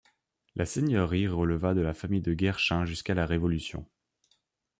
La seigneurie releva de la famille de Guerschin jusqu'à la Révolution.